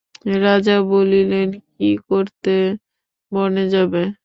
রাজা বলিলেন, কী করতে বনে যাবে?